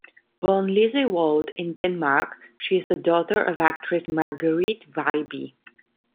Born Lise Wold in Denmark, she is the daughter of actress Marguerite Viby.